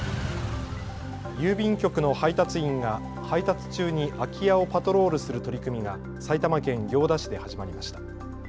郵便局の配達員が配達中に空き家をパトロールする取り組みが埼玉県行田市で始まりました。